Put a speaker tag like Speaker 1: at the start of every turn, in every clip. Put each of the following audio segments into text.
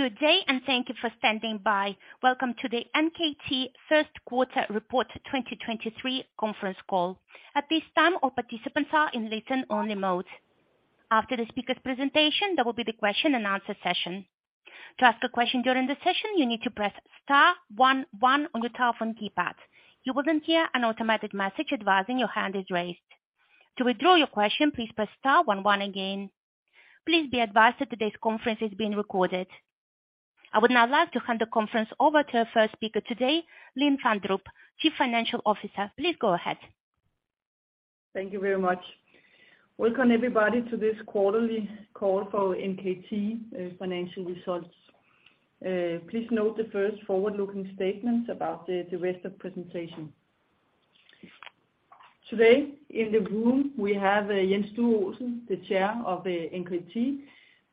Speaker 1: Good day, and thank you for standing by. Welcome to the NKT first quarter report 2023 conference call. At this time, all participants are in listen only mode. After the speaker's presentation, there will be the question and answer session. To ask a question during the session, you need to press star one one on your telephone keypad. You will then hear an automated message advising your hand is raised. To withdraw your question, please press star one one again. Please be advised that today's conference is being recorded. I would now like to hand the conference over to our first speaker today, Line Fandrup, Chief Financial Officer. Please go ahead.
Speaker 2: Thank you very much. Welcome everybody to this quarterly call for NKT financial results. Please note the first forward-looking statements about the rest of presentation. Today in the room we have Jens Due Olsen, the Chair of NKT.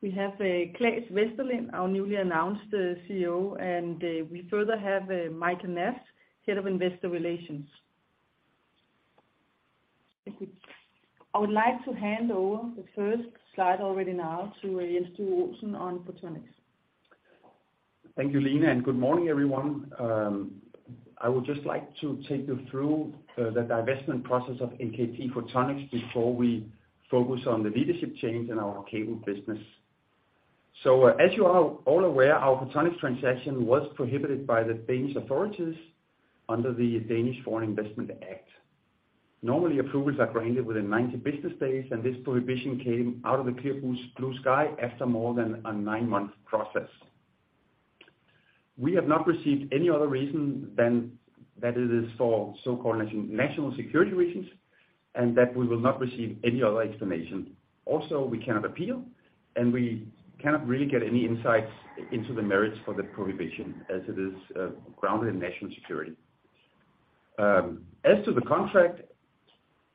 Speaker 2: We have Claes Westerlind, our newly announced CEO, and we further have Michael Nass, Head of Investor Relations. I would like to hand over the first slide already now to Jens Due Olsen on Photonics.
Speaker 3: Thank you, Line, and good morning, everyone. I would just like to take you through the divestment process of NKT Photonics before we focus on the leadership change in our cable business. As you are all aware, our Photonics transaction was prohibited by the Danish authorities under the Danish Investment Screening Act. Normally, approvals are granted within 90 business days, and this prohibition came out of the clear blue sky after more than a nine-month process. We have not received any other reason than that it is for so-called national security reasons, and that we will not receive any other explanation. Also, we cannot appeal, and we cannot really get any insights into the merits for the prohibition as it is grounded in national security. As to the contract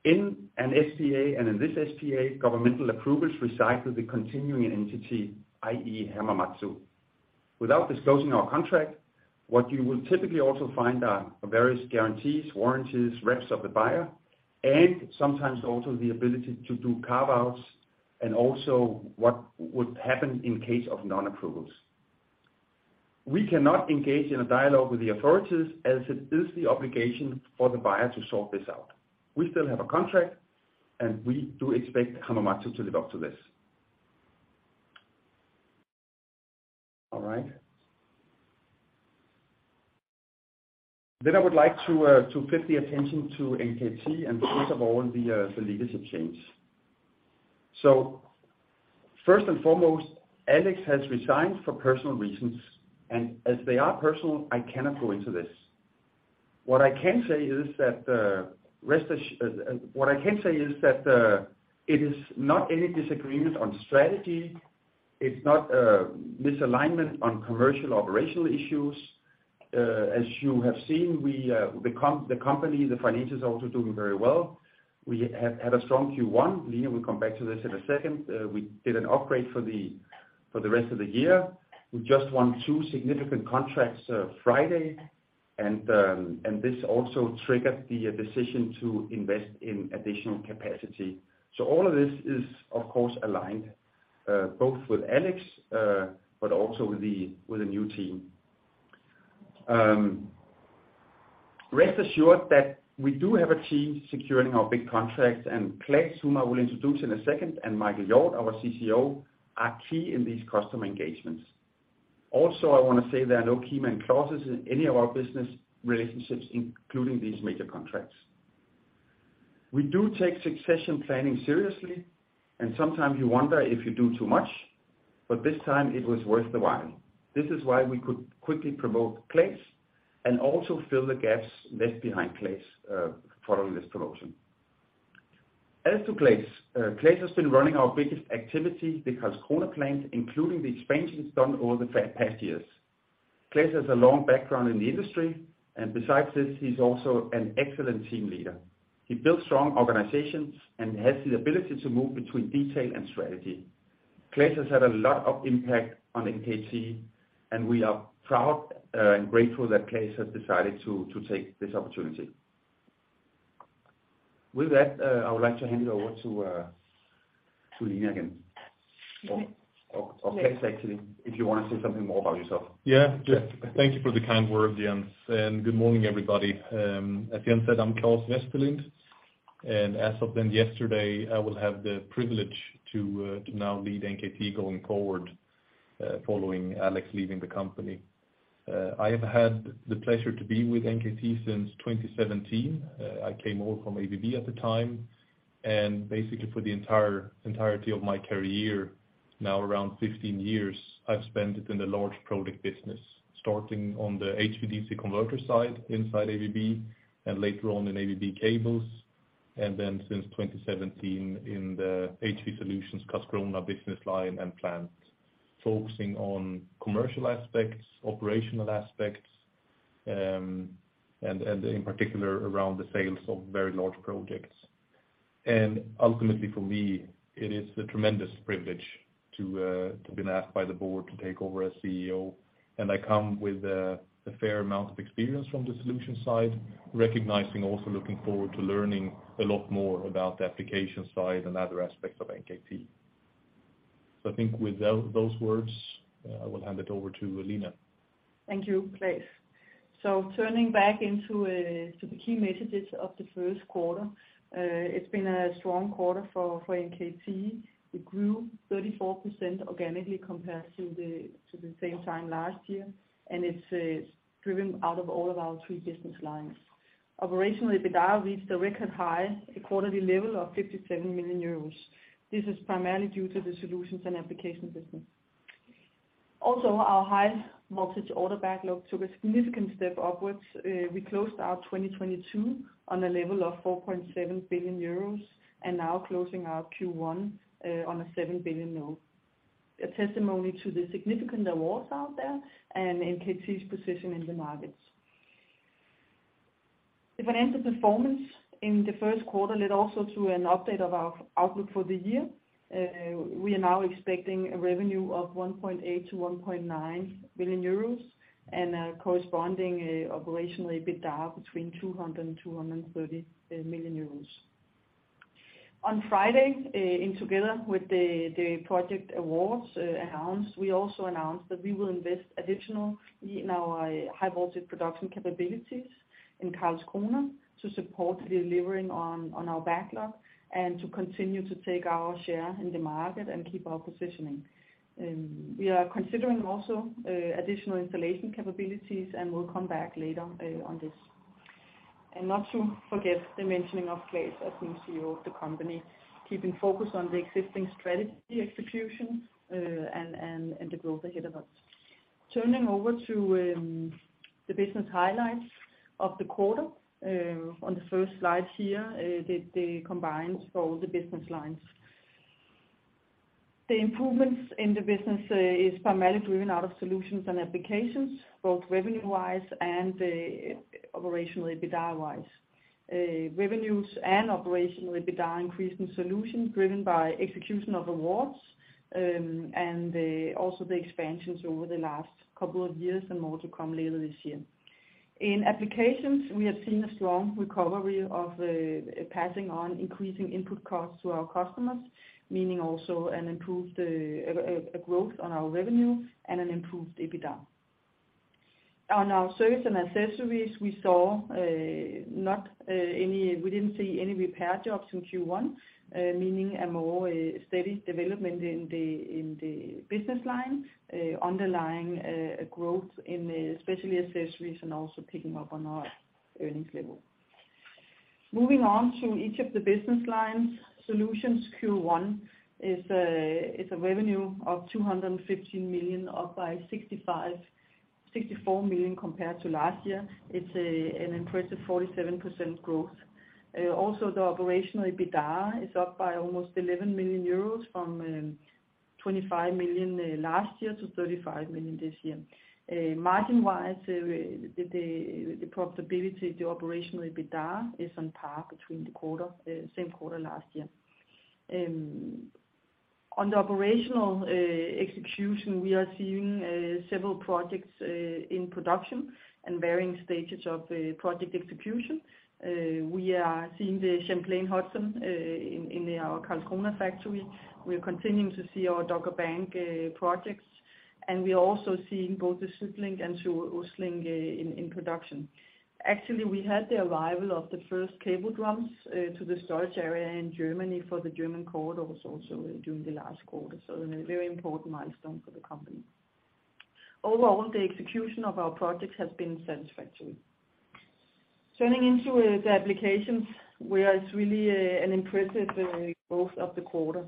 Speaker 3: in an SPA and in this SPA, governmental approvals recycle the continuing entity, i.e. Hamamatsu. Without disclosing our contract, what you will typically also find are various guarantees, warranties, reps of the buyer, and sometimes also the ability to do carve-outs, and also what would happen in case of non-approvals. We cannot engage in a dialogue with the authorities as it is the obligation for the buyer to sort this out. We still have a contract, and we do expect Hamamatsu to live up to this. All right. I would like to flip the attention to NKT and first of all the leadership change. First and foremost, Alex has resigned for personal reasons and as they are personal, I cannot go into this. What I can say is that it is not any disagreement on strategy. It's not misalignment on commercial operational issues. As you have seen, the company, the financials are also doing very well. We had a strong Q1. Line will come back to this in a second. We did an upgrade for the rest of the year. We just won two significant contracts Friday. This also triggered the decision to invest in additional capacity. All of this is of course aligned both with Alex, but also with the new team. Rest assured that we do have a team securing our big contracts, and Claes, whom I will introduce in a second, and Michael Jord, our CCO, are key in these customer engagements. Also, I wanna say there are no keyman clauses in any of our business relationships, including these major contracts. We do take succession planning seriously, sometimes you wonder if you do too much, but this time it was worth the while. This is why we could quickly promote Claes and also fill the gaps left behind Claes, following this promotion. As to Claes has been running our biggest activity because Cologne plans, including the expansions done over the past years. Besides this, he's also an excellent team leader. He built strong organizations and has the ability to move between detail and strategy. Claes has had a lot of impact on NKT. We are proud and grateful that Claes has decided to take this opportunity. With that, I would like to hand it over to Line again. Or Claes, actually, if you wanna say something more about yourself.
Speaker 4: Yeah. Yeah. Thank you for the kind word, Jens. Good morning, everybody. As Jens said, I'm Claes Westerlind. As of then yesterday, I will have the privilege to now lead NKT going forward, following Alex leaving the company. I have had the pleasure to be with NKT since 2017. I came over from ABB at the time. Basically for the entirety of my career, now around 15 years, I've spent it in the large project business, starting on the HVDC converter side inside ABB. Later on in ABB cables. Then since 2017 in the HV Solutions Karlskrona business line and plant, focusing on commercial aspects, operational aspects, in particular around the sales of very large projects. Ultimately for me, it is a tremendous privilege to have been asked by the board to take over as CEO. I come with a fair amount of experience from the Solutions side, recognizing also looking forward to learning a lot more about the Application side and other aspects of NKT. I think with those words, I will hand it over to Line.
Speaker 2: Thank you, Claes. Turning back into to the key messages of the first quarter, it's been a strong quarter for NKT. We grew 34% organically compared to the same time last year, and it's driven out of all of our three business lines. Operationally, EBITDA reached a record high, a quarterly level of 57 million euros. This is primarily due to the Solutions and Application business. Our high voltage order backlog took a significant step upwards. We closed out 2022 on a level of 4.7 billion euros, and now closing out Q1 on a 7 billion note. A testimony to the significant awards out there and NKT's position in the markets. Financial performance in the first quarter led also to an update of our outlook for the year. We are now expecting a revenue of 1.8 billion-1.9 billion euros and a corresponding operational EBITDA between 200 million-230 million euros. On Friday, and together with the project awards announced, we also announced that we will invest additional in our high voltage production capabilities in Karlskrona to support delivering on our backlog and to continue to take our share in the market and keep our positioning. We are considering also additional installation capabilities, and we'll come back later on this. Not to forget the mentioning of Claes as new CEO of the company, keeping focus on the existing strategy execution and the growth ahead of us. Turning over to the business highlights of the quarter on the first slide here, the combines for all the business lines. The improvements in the business is primarily driven out of Solutions and Applications, both revenue-wise and operational EBITDA-wise. Revenues and operational EBITDA increase in Solutions driven by execution of awards and also the expansions over the last couple of years and more to come later this year. In Applications, we have seen a strong recovery of passing on increasing input costs to our customers, meaning also an improved growth on our revenue and an improved EBITDA. On our service and accessories, we saw not any repair jobs in Q1, meaning a more steady development in the business line, underlying growth in especially accessories and also picking up on our earnings level. Moving on to each of the business lines, Solutions Q1 is a revenue of 215 million, up by 65, 64 million compared to last year. It's an impressive 47% growth. The operational EBITDA is up by almost 11 million euros from 25 million last year to 35 million this year. Margin-wise, the profitability, the operational EBITDA is on par between the quarter, same quarter last year. On the operational execution, we are seeing several projects in production and varying stages of project execution. We are seeing the Champlain Hudson in our Karlskrona factory. We're continuing to see our Dogger Bank projects, and we're also seeing both the SuedLink and SuedOstLink in production. Actually, we had the arrival of the first cable drums to the storage area in Germany for the German corridor was also during the last quarter, so a very important milestone for the company. Overall, the execution of our projects has been satisfactory. Turning into the Applications, where it's really an impressive growth of the quarter.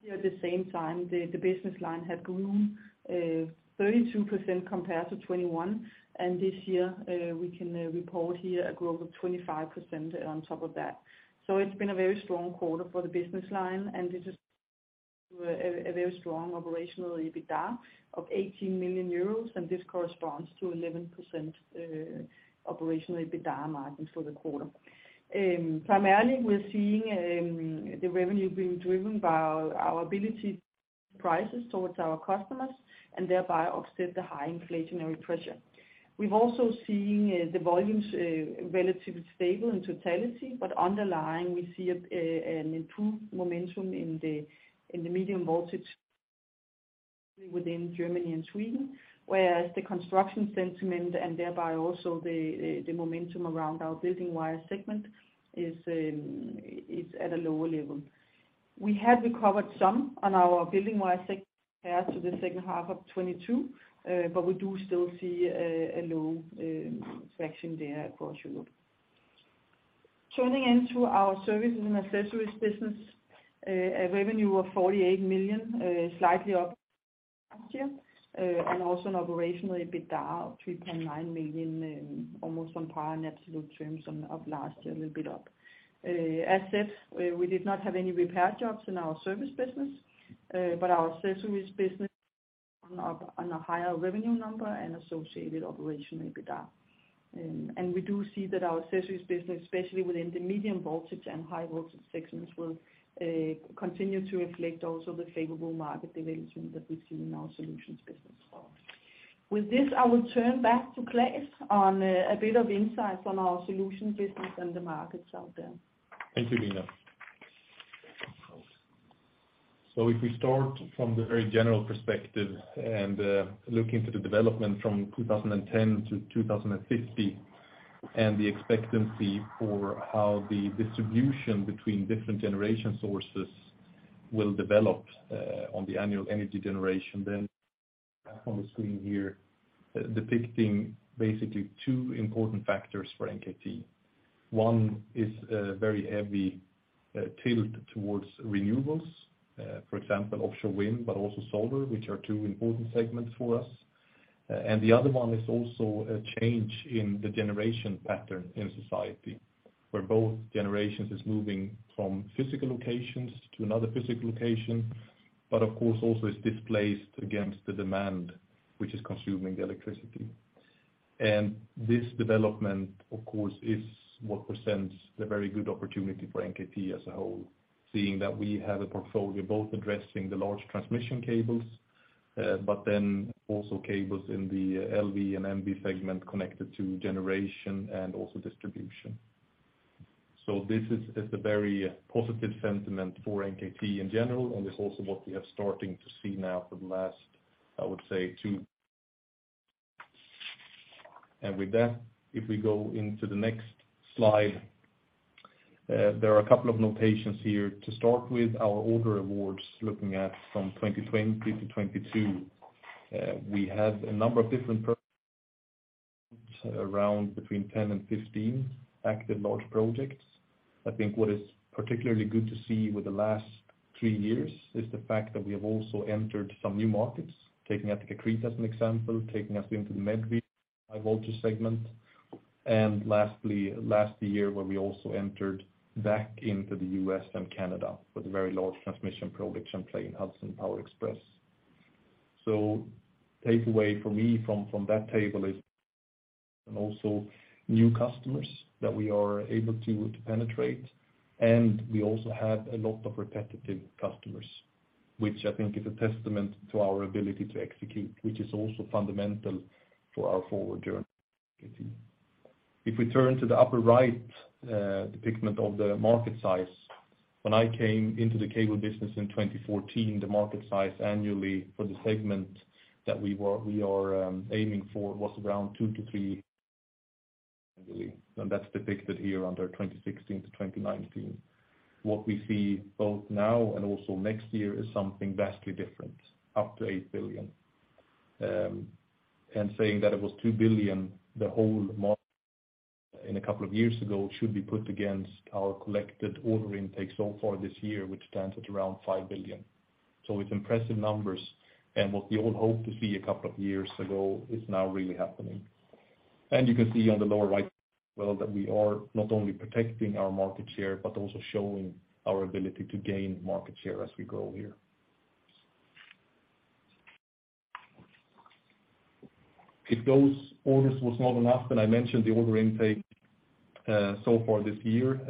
Speaker 2: Here at the same time, the business line had grown 32% compared to 2021, and this year, we can report a growth of 25% on top of that. It's been a very strong quarter for the business line, and this is a very strong operational EBITDA of 18 million euros, and this corresponds to 11% operational EBITDA margins for the quarter. Primarily, we're seeing the revenue being driven by our ability to prices towards our customers and thereby offset the high inflationary pressure. We've also seen the volumes relatively stable in totality, but underlying we see an improved momentum in the medium voltage within Germany and Sweden, whereas the construction sentiment and thereby also the momentum around our building wire segment is at a lower level. We have recovered some on our building wire segment compared to the second half of 2022. We do still see a low traction there across Europe. Turning into our services and accessories business, a revenue of 48 million, slightly up last year. Also an operational EBITDA of 3.9 million, almost on par in absolute terms of last year, a little bit up. As said, we did not have any repair jobs in our service business, but our accessories business on a higher revenue number and associated operational EBITDA. We do see that our accessories business, especially within the medium voltage and high voltage sections, will continue to reflect also the favorable market development that we've seen in our Solutions business. With this, I will turn back to Claes on a bit of insight on our Solutions business and the markets out there.
Speaker 4: Thank you, Line. If we start from the very general perspective and looking to the development from 2010 to 2050, and the expectancy for how the distribution between different generation sources will develop on the annual energy generation, then on the screen here depicting basically two important factors for NKT. One is a very heavy tilt towards renewables, for example, offshore wind, but also solar, which are two important segments for us. The other one is also a change in the generation pattern in society, where both generations is moving from physical locations to another physical location, but of course also is displaced against the demand which is consuming the electricity. This development, of course, is what presents a very good opportunity for NKT as a whole, seeing that we have a portfolio both addressing the large transmission cables, but then also cables in the LV and MV segment connected to generation and also distribution. This is a very positive sentiment for NKT in general, and it's also what we are starting to see now for the last, I would say, two... With that, if we go into the next slide, there are a couple of notations here. To start with our order awards, looking at from 2020 to 2022. We have a number of different around between 10 and 15 active large projects. I think what is particularly good to see with the last three years is the fact that we have also entered some new markets, taking Athens to Crete as an example, taking us into the Med High Voltage segment. Lastly, last year, where we also entered back into the U.S. and Canada with a very large transmission project Champlain Hudson Power Express. Takeaway for me from that table is and also new customers that we are able to penetrate. We also have a lot of repetitive customers, which I think is a testament to our ability to execute, which is also fundamental for our forward journey. If we turn to the upper right depiction of the market size. When I came into the cable business in 2014, the market size annually for the segment that we are aiming for was around 2 billion-3 billion annually. That's depicted here under 2016 to 2019. What we see both now and also next year is something vastly different, up to 8 billion. Saying that it was 2 billion, the whole market in a couple of years ago should be put against our collected order intake so far this year, which stands at around 5 billion. It's impressive numbers, what we all hoped to see a couple of years ago is now really happening. You can see on the lower right as well that we are not only protecting our market share, but also showing our ability to gain market share as we go here. If those orders was not enough, I mentioned the order intake so far this year.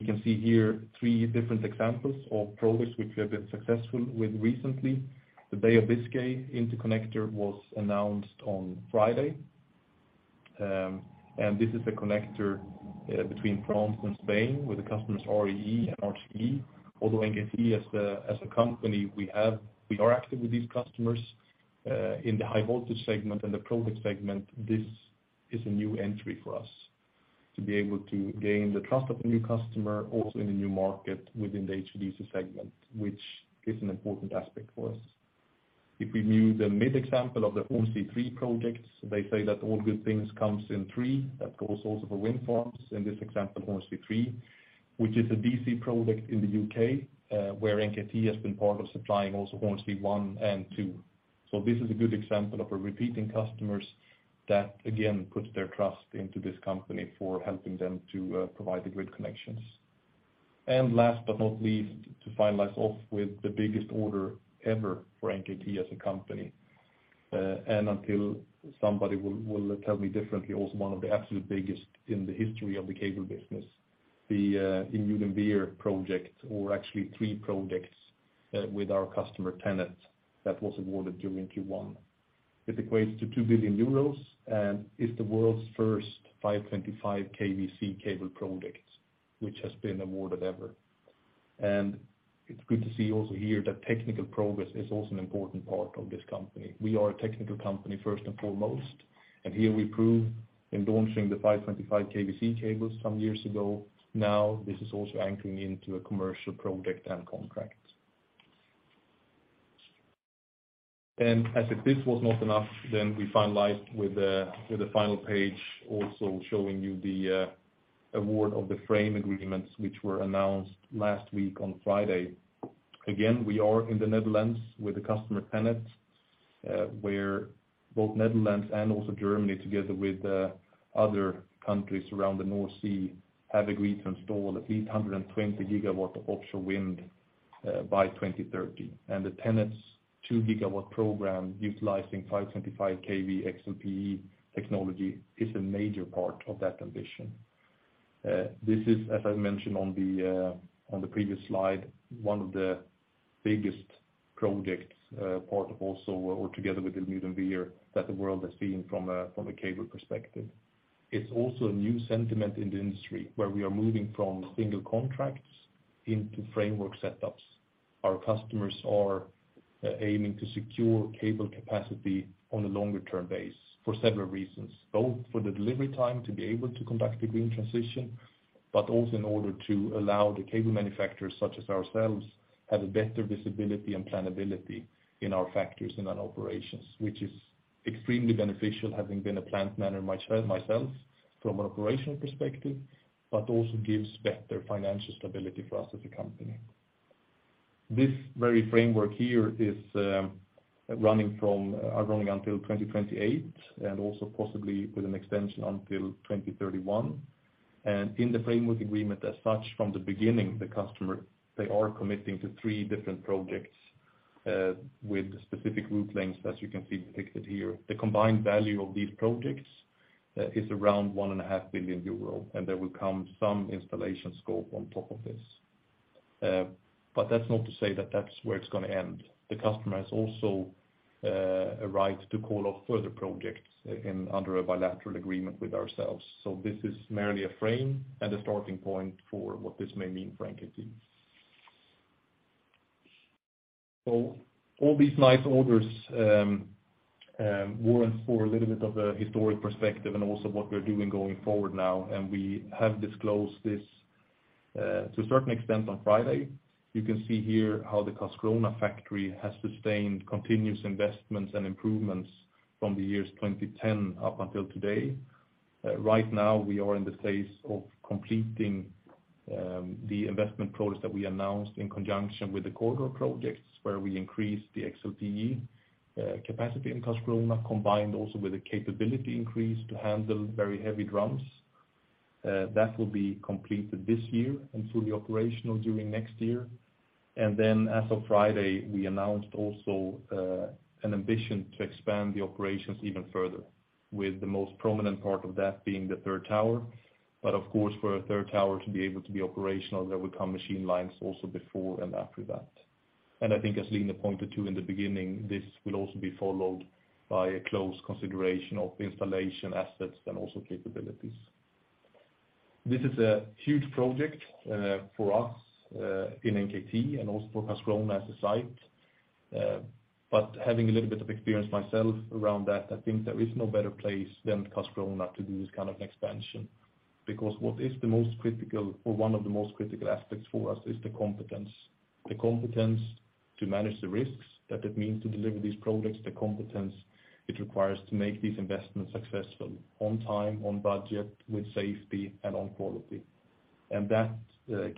Speaker 4: You can see here three different examples of projects which we have been successful with recently. The Biscay Gulf interconnector was announced on Friday. This is a connector between France and Spain, where the customers are REE and RTE. NKT as a company, we are active with these customers in the high voltage segment and the project segment, this is a new entry for us to be able to gain the trust of a new customer also in a new market within the HVDC segment, which is an important aspect for us. If we view the mid example of the Hornsea 3 projects, they say that all good things comes in three. That goes also for wind farms. In this example, Hornsea 3, which is a DC project in the U.K., where NKT has been part of supplying also Hornsea 1 and 2. This is a good example of a repeating customers that again put their trust into this company for helping them to provide the grid connections. Last but not least, to finalize off with the biggest order ever for NKT as a company. Until somebody will tell me differently, also one of the absolute biggest in the history of the cable business, the IJmuiden Ver project, or actually three projects, with our customer, TenneT, that was awarded during Q1. It equates to 2 billion euros and is the world's first 525 kV DC cable project which has been awarded ever. It's good to see also here that technical progress is also an important part of this company. We are a technical company first and foremost, and here we prove in launching the 525 kV cables some years ago. Now, this is also anchoring into a commercial project and contract. As if this was not enough, we finalize with the final page also showing you the award of the frame agreements which were announced last week on Friday. Again, we are in the Netherlands with the customer, TenneT, where both Netherlands and also Germany, together with other countries around the North Sea, have agreed to install at least 120 GW of offshore wind by 2030. TenneT's 2 GW program utilizing 525 kV XLPE technology is a major part of that ambition. This is, as I mentioned on the previous slide, one of the biggest projects, part of also or together with the [BorWin5] that the world has seen from a cable perspective. It's also a new sentiment in the industry, where we are moving from single contracts into framework setups. Our customers are aiming to secure cable capacity on a longer term base for several reasons, both for the delivery time to be able to conduct the green transition, but also in order to allow the cable manufacturers such as ourselves, have a better visibility and planability in our factories and our operations. Which is extremely beneficial, having been a plant manager myself from an operational perspective, but also gives better financial stability for us as a company. This very framework here is running from running until 2028 and also possibly with an extension until 2031. In the framework agreement as such, from the beginning, the customer, they are committing to three different projects with specific route lengths, as you can see depicted here. The combined value of these projects is around 1.5 billion euro, and there will come some installation scope on top of this. That's not to say that that's where it's gonna end. The customer has also a right to call off further projects in under a bilateral agreement with ourselves. This is merely a frame and a starting point for what this may mean for NKT. All these nice orders, warrant for a little bit of a historic perspective and also what we're doing going forward now. We have disclosed this, to a certain extent on Friday. You can see here how the Karlskrona factory has sustained continuous investments and improvements from the years 2010 up until today. Right now we are in the phase of completing, the investment products that we announced in conjunction with the corridor projects, where we increased the XLPE, capacity in Karlskrona, combined also with a capability increase to handle very heavy drums. That will be completed this year and fully operational during next year. Then as of Friday, we announced also, an ambition to expand the operations even further with the most prominent part of that being the third tower. Of course, for a third tower to be able to be operational, there will come machine lines also before and after that. I think as Line pointed to in the beginning, this will also be followed by a close consideration of installation assets and also capabilities. This is a huge project for us in NKT and also for Karlskrona as a site. Having a little bit of experience myself around that, I think there is no better place than Karlskrona to do this kind of expansion. What is the most critical or one of the most critical aspects for us is the competence. The competence to manage the risks that it means to deliver these projects, the competence it requires to make these investments successful on time, on budget, with safety and on quality. That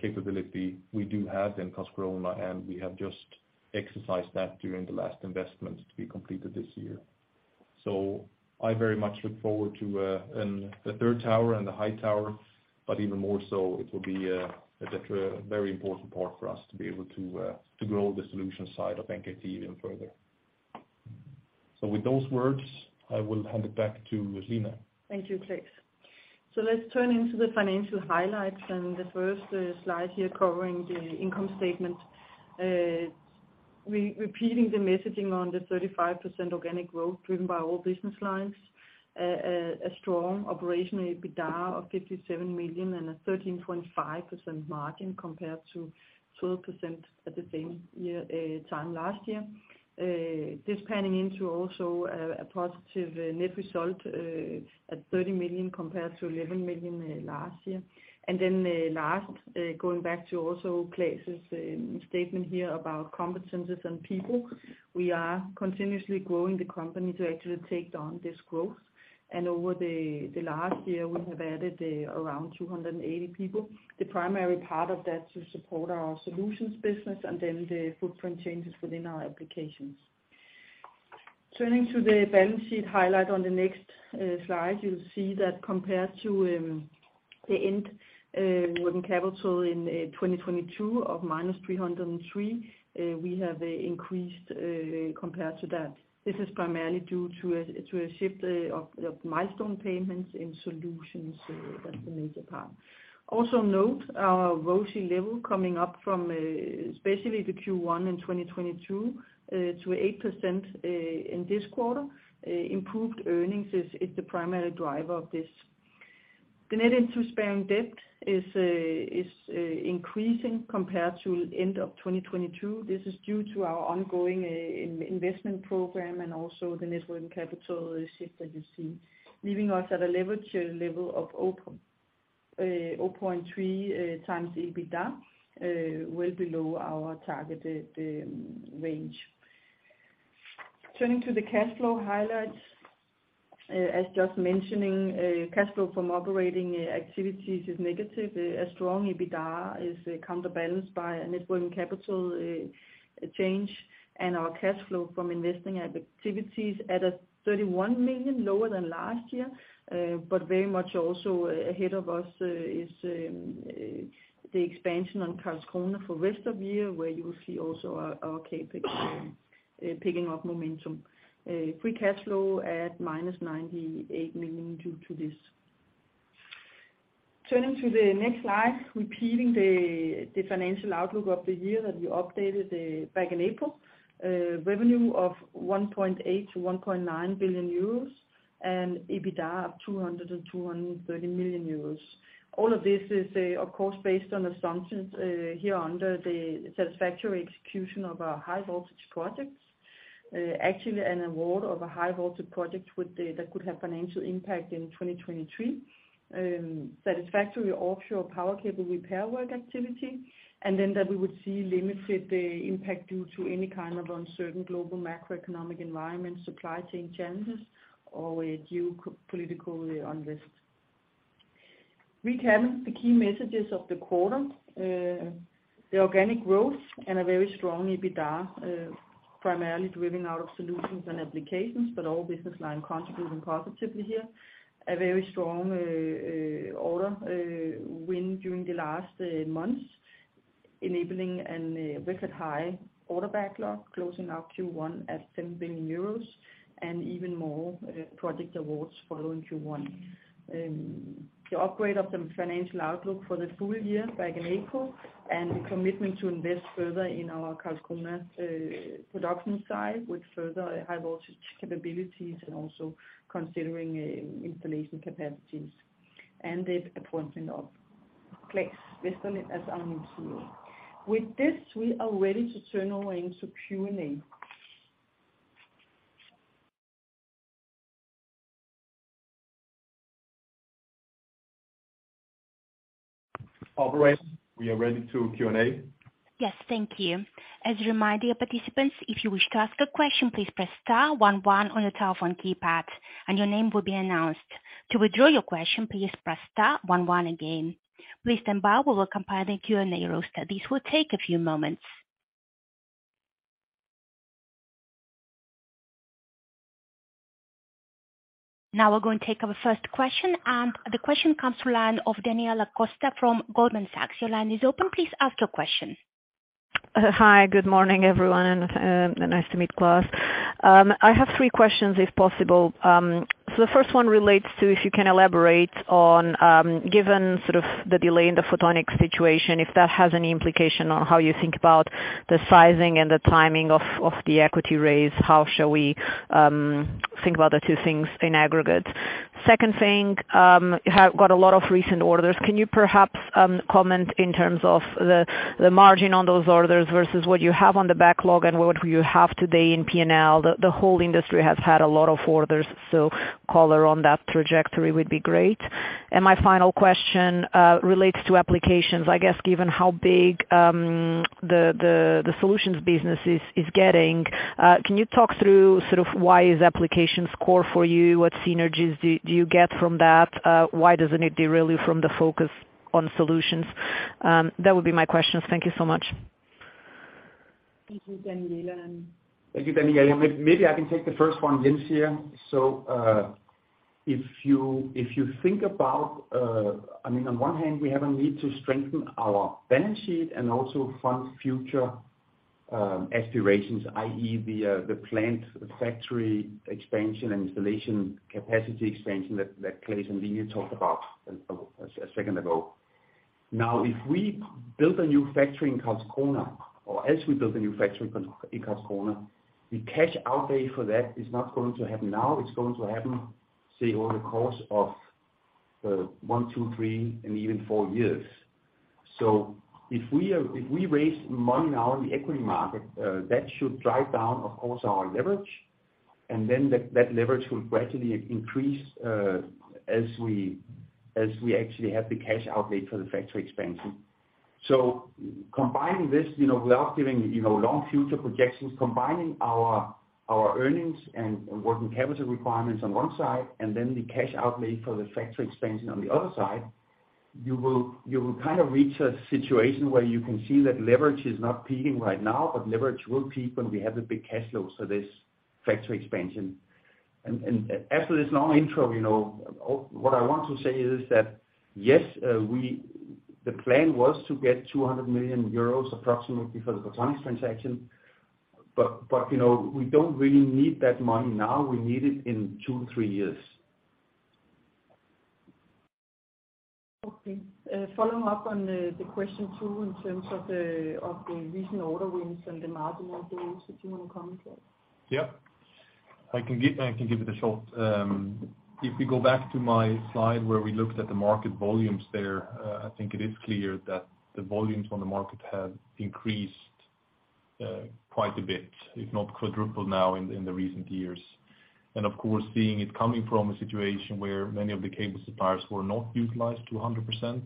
Speaker 4: capability we do have in Karlskrona, and we have just exercised that during the last investments to be completed this year. I very much look forward to the third tower and the high tower, but even more so, it will be a very important part for us to be able to grow the Solution side of NKT even further. With those words, I will hand it back to Line.
Speaker 2: Thank you, Claes. Let's turn into the financial highlights and the first slide here covering the income statement. Repeating the messaging on the 35% organic growth driven by all business lines. A strong operational EBITDA of 57 million and a 13.5% margin compared to 12% at the same year time last year. This panning into also a positive net result at 30 million compared to 11 million last year. Last, going back to also Claes' statement here about competencies and people. We are continuously growing the company to actually take on this growth. Over the last year, we have added around 280 people. The primary part of that to support our Solutions business and then the footprint changes within our Applications. Turning to the balance sheet highlight on the next slide, you'll see that compared to the end working capital in 2022 of -303, we have increased compared to that. This is primarily due to a shift of milestone payments in Solutions. That's the major part. Also note our ROCE level coming up from especially the Q1 in 2022 to 8% in this quarter. Improved earnings is the primary driver of this. The net interest bearing debt is increasing compared to end of 2022. This is due to our ongoing investment program and also the net working capital shift that you see. Leaving us at a leverage level of 0.3x EBITDA, well below our targeted range. Turning to the cash flow highlights. As just mentioning, cash flow from operating activities is negative. A strong EBITDA is counterbalanced by a net working capital change, and our cash flow from investing activities at a 31 million, lower than last year, but very much also ahead of us is the expansion on Karlskrona for rest of year, where you will see also our CapEx picking up momentum. Free cash flow at -98 million due to this. Turning to the next slide, repeating the financial outlook of the year that we updated back in April. Revenue of 1.8 billion-1.9 billion euros and EBITDA of 200 million-230 million euros. All of this is, of course, based on assumptions, here under the satisfactory execution of our high voltage projects. Actually an award of a high voltage project would, that could have financial impact in 2023. Satisfactory offshore power cable repair work activity. That we would see limited impact due to any kind of uncertain global macroeconomic environment, supply chain challenges or geopolitical unrest. We have the key messages of the quarter. The organic growth and a very strong EBITDA, primarily driven out of Solutions and Applications, but all business line contributing positively here. A very strong order win during the last months, enabling an record high order backlog closing out Q1 at 10 billion euros and even more project awards following Q1. The upgrade of the financial outlook for the full year back in April, and the commitment to invest further in our Karlskrona production side with further high voltage capabilities and also considering installation capacities. The appointment of Claes Westerlind as our new CEO. With this, we are ready to turn over into Q&A.
Speaker 3: Operator, we are ready to Q&A.
Speaker 1: Yes. Thank you. As a reminder, participants, if you wish to ask a question, please press star one one on your telephone keypad and your name will be announced. To withdraw your question, please press star one one again. Please stand by, we will compile the Q&A roster. This will take a few moments. Now we're going to take our first question. The question comes through line of Daniela Costa from Goldman Sachs. Your line is open. Please ask your question.
Speaker 5: Hi. Good morning, everyone, and nice to meet Claes. I have three questions, if possible. The first one relates to if you can elaborate on given sort of the delay in the Photonics situation, if that has any implication on how you think about the sizing and the timing of the equity raise, how shall we think about the two things in aggregate? Second thing, have got a lot of recent orders. Can you perhaps comment in terms of the margin on those orders versus what you have on the backlog and what you have today in P&L? The whole industry has had a lot of orders, so color on that trajectory would be great. My final question relates to Applications. I guess, given how big the Solutions business is getting, can you talk through sort of why is Applications core for you? What synergies do you get from that? Why doesn't it derail you from the focus on Solutions? That would be my questions. Thank you so much.
Speaker 2: Thank you, Daniela.
Speaker 3: Thank you, Daniela. Maybe I can take the first one. Jens here. If you think about, I mean, on one hand, we have a need to strengthen our balance sheet and also fund future aspirations, i.e., the plant factory expansion and installation capacity expansion that Claes and Line talked about a second ago. If we build a new factory in Karlskrona, or as we build a new factory in Karlskrona, the cash outlay for that is not going to happen now. It's going to happen, say, over the course of one, two, three, and even four years. If we raise money now in the equity market, that should drive down, of course, our leverage, and then that leverage will gradually increase as we actually have the cash outlay for the factory expansion. Combining this, you know, without giving, you know, long future projections, combining our earnings and working capital requirements on one side and then the cash outlay for the factory expansion on the other side, you will kind of reach a situation where you can see that leverage is not peaking right now, but leverage will peak when we have the big cash flow. This factory expansion. After this long intro, you know, what I want to say is that, yes, the plan was to get 200 million euros approximately for the Photonics transaction. You know, we don't really need that money now. We need it in two, three years.
Speaker 2: Okay. Following up on the question two in terms of the, of the recent order wins and the margin on those. Do you want to comment, Claes?
Speaker 4: Yeah. I can give it a shot. If we go back to my slide where we looked at the market volumes there, I think it is clear that the volumes on the market have increased quite a bit, if not quadrupled now in the recent years. Of course, seeing it coming from a situation where many of the cable suppliers were not utilized to 100%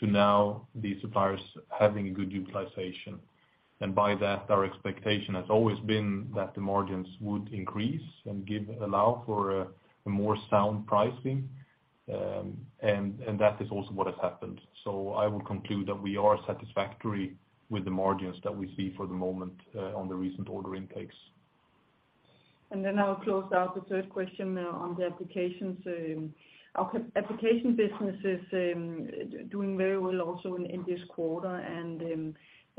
Speaker 4: to now these suppliers having a good utilization. By that, our expectation has always been that the margins would increase and allow for a more sound pricing. That is also what has happened. I would conclude that we are satisfactory with the margins that we see for the moment, on the recent order intakes.
Speaker 2: I'll close out the third question on the Applications. Our Application business is doing very well also in this quarter.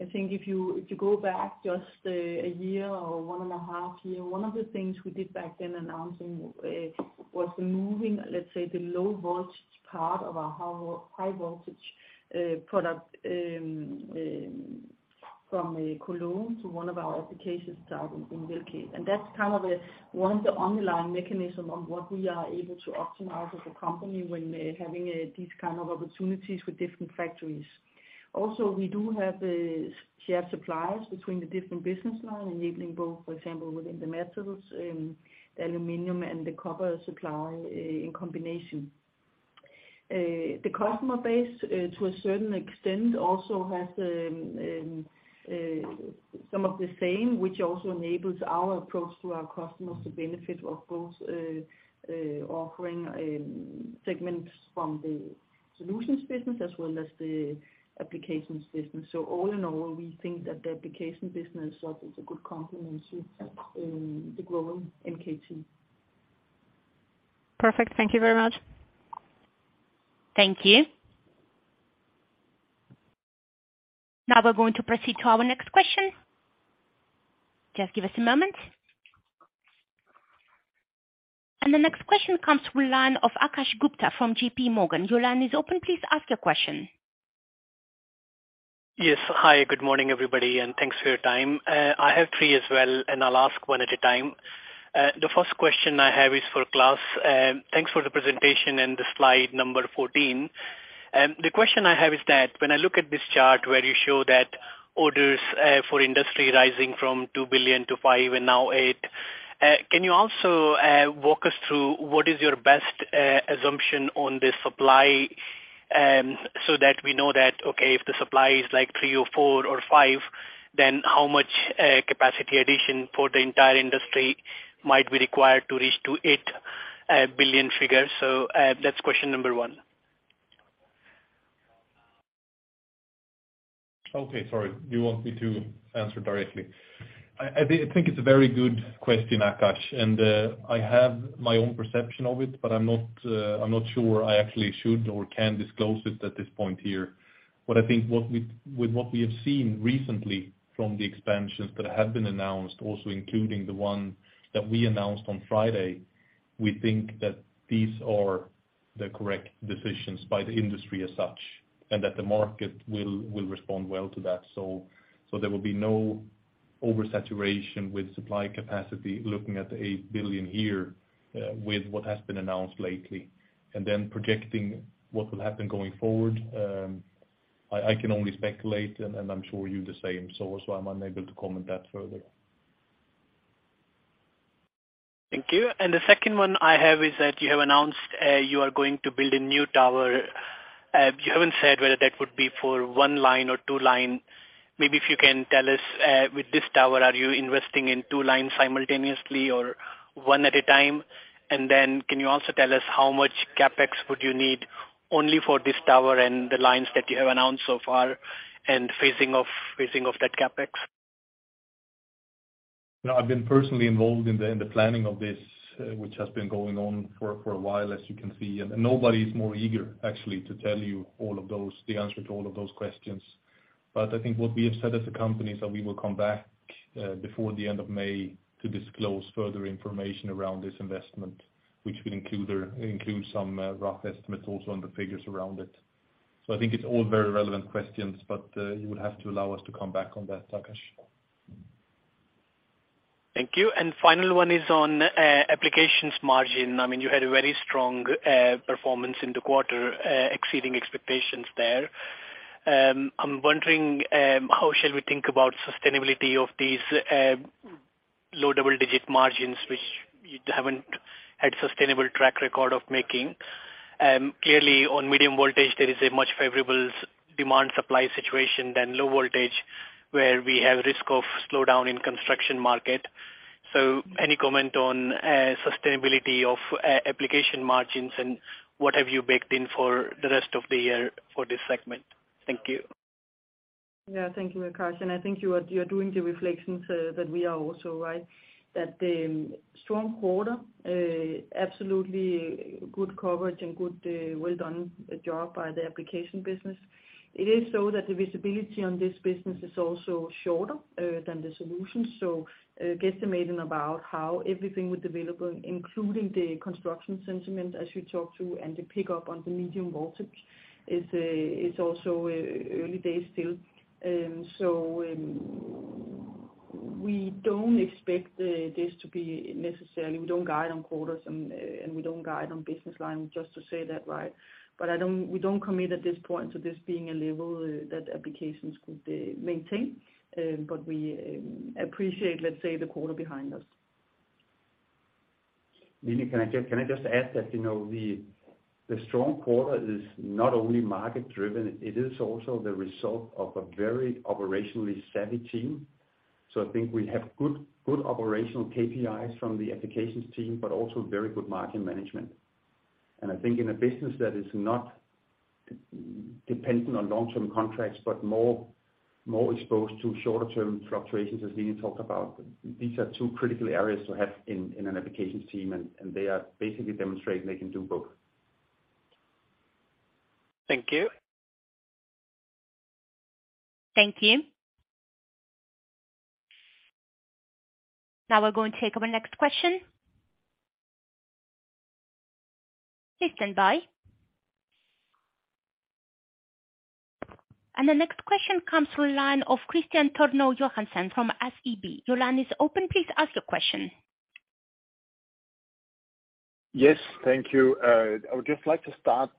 Speaker 2: I think if you, if you go back just a year or one and a half year, one of the things we did back then announcing was removing, let's say, the low voltage part of our high voltage product from Cologne to one of our Applications out in Vildbjerg. That's kind of one of the underlying mechanism of what we are able to optimize as a company when having these kind of opportunities with different factories. Also we do have shared suppliers between the different business line, enabling both, for example, within the metals, the aluminum and the copper supply in combination. The customer base, to a certain extent also has, some of the same, which also enables our approach to our customers to benefit of both, offering, segments from the Solutions business as well as the Applications business. All in all, we think that the Application business is a good complement to, the growth in NKT.
Speaker 5: Perfect. Thank you very much.
Speaker 1: Thank you. Now we're going to proceed to our next question. Just give us a moment. The next question comes through line of Akash Gupta from J.P. Morgan. Your line is open. Please ask your question.
Speaker 6: Yes. Hi, good morning, everybody, and thanks for your time. I have three as well, and I'll ask one at a time. The first question I have is for Claes. Thanks for the presentation and the slide number 14. The question I have is that when I look at this chart where you show that orders for industry rising from 2 billion-5 billion and now 8 billion, can you also walk us through what is your best assumption on the supply, so that we know that, okay, if the supply is like 3 billion or 4 billion or 5 billion, then how much capacity addition for the entire industry might be required to reach to 8 billion figures? That's question number one.
Speaker 4: Okay. Sorry. You want me to answer directly? I think it's a very good question, Akash, and I have my own perception of it, but I'm not sure I actually should or can disclose it at this point here. I think what we have seen recently from the expansions that have been announced, also including the one that we announced on Friday, we think that these are the correct decisions by the industry as such, and that the market will respond well to that. There will be no oversaturation with supply capacity looking at the 8 billion a year with what has been announced lately. Projecting what will happen going forward, I can only speculate, and I'm sure you the same. I'm unable to comment that further.
Speaker 6: Thank you. The second one I have is that you have announced, you are going to build a new tower. You haven't said whether that would be for one line or two line. Maybe if you can tell us, with this tower, are you investing in two lines simultaneously or one at a time? Then can you also tell us how much CapEx would you need only for this tower and the lines that you have announced so far and phasing of that CapEx?
Speaker 4: I've been personally involved in the, in the planning of this, which has been going on for a while, as you can see. Nobody is more eager actually to tell you all of those, the answer to all of those questions. I think what we have said as a company is that we will come back before the end of May to disclose further information around this investment, which will include some rough estimates also on the figures around it. I think it's all very relevant questions, but you will have to allow us to come back on that, Akash.
Speaker 6: Thank you. Final one is on Applications margin. I mean, you had a very strong performance in the quarter, exceeding expectations there. I'm wondering how shall we think about sustainability of these low double-digit margins, which you haven't had sustainable track record of making. Clearly on medium voltage, there is a much favorable demand supply situation than low voltage, where we have risk of slowdown in construction market. Any comment on sustainability of Application margins and what have you baked in for the rest of the year for this segment? Thank you.
Speaker 2: Yeah, thank you, Akash. I think you are doing the reflections that we are also, right? That the strong quarter, absolutely good coverage and good, well-done job by the Application business. It is so that the visibility on this business is also shorter than the solution. Guesstimating about how everything would develop, including the construction sentiment as you talk to and the pickup on the medium voltage is also early days still. We don't expect this to be necessarily, we don't guide on quarters and we don't guide on business line, just to say that, right? We don't commit at this point to this being a level that Applications could maintain. We appreciate, let's say, the quarter behind us.
Speaker 3: Line, can I just add that, you know, the strong quarter is not only market-driven, it is also the result of a very operationally savvy team. I think we have good operational KPIs from the Applications team, but also very good market management. I think in a business that is not dependent on long-term contracts, but more exposed to shorter term fluctuations, as Line talked about, these are two critical areas to have in an Applications team, and they are basically demonstrating they can do both.
Speaker 6: Thank you.
Speaker 1: Thank you. Now we're going to take our next question. Please stand by. The next question comes through the line of Kristian Tornøe Johansen from SEB. Your line is open. Please ask your question.
Speaker 7: Yes, thank you. I would just like to start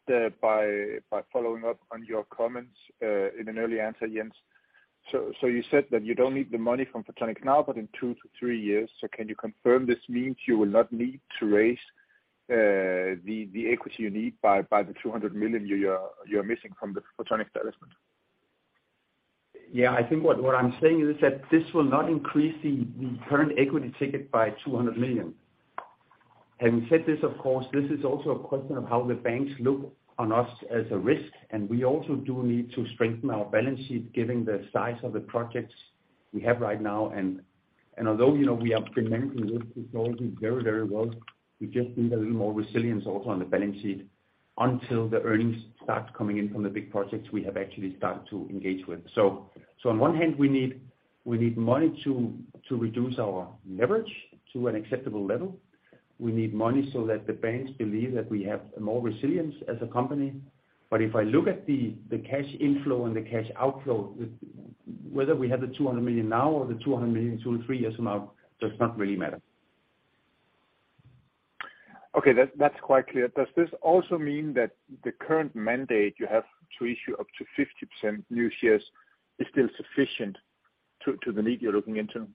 Speaker 7: by following up on your comments in an early answer, Jens. You said that you don't need the money from Photonics now, but in two to three years. Can you confirm this means you will not need to raise the equity you need by the 200 million you're missing from the Photonics establishment?
Speaker 3: Yeah. I think what I'm saying is that this will not increase the current equity ticket by 200 million. Having said this, of course, this is also a question of how the banks look on us as a risk. We also do need to strengthen our balance sheet given the size of the projects we have right now. Although, you know, we are managing this technology very, very well, we just need a little more resilience also on the balance sheet until the earnings start coming in from the big projects we have actually started to engage with. On one hand, we need money to reduce our leverage to an acceptable level. We need money so that the banks believe that we have more resilience as a company. If I look at the cash inflow and the cash outflow, whether we have the 200 million now or the 200 million two to three years from now does not really matter.
Speaker 7: Okay. That's quite clear. Does this also mean that the current mandate you have to issue up to 50% new shares is still sufficient to the need you're looking into?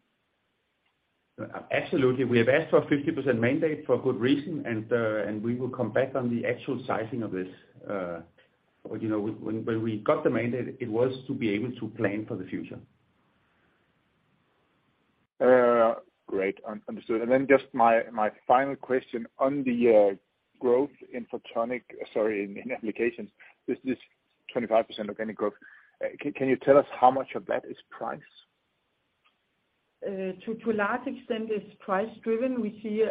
Speaker 3: Absolutely. We have asked for a 50% mandate for a good reason, and we will come back on the actual sizing of this. You know, when we got the mandate, it was to be able to plan for the future.
Speaker 7: Great. Understood. Then just my final question on the growth in Photonics, sorry, in Applications. This 25% organic growth. Can you tell us how much of that is price?
Speaker 2: To a large extent it's price driven. We see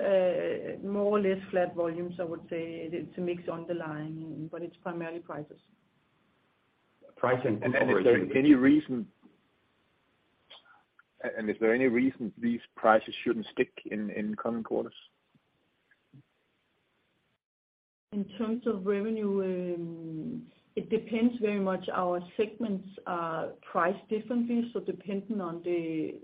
Speaker 2: more or less flat volumes, I would say, to mix on the line. It's primarily prices.
Speaker 3: Price
Speaker 7: Is there any reason these prices shouldn't stick in coming quarters?
Speaker 2: In terms of revenue, it depends very much. Our segments are priced differently, so depending on the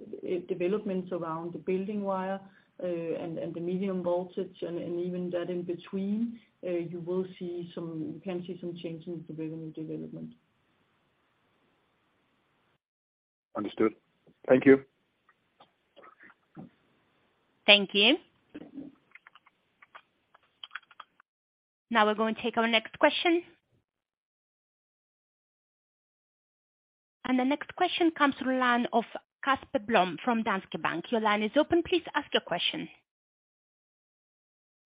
Speaker 2: developments around the building wire, and the medium voltage and even that in between, you will see some changes in the revenue development.
Speaker 7: Understood. Thank you.
Speaker 1: Thank you. Now we're going to take our next question. The next question comes through the line of Casper Blom from Danske Bank. Your line is open. Please ask your question.